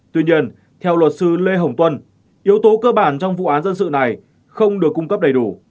tuy nhiên theo luật sư lê hồng tuân yếu tố cơ bản trong vụ án dân sự này không được cung cấp đầy đủ